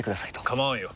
構わんよ。